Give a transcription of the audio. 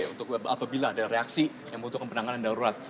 untuk apabila ada reaksi yang membutuhkan penanganan darurat